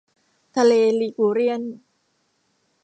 ทะเลลีกูเรียน